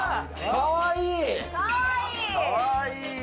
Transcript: かわいい。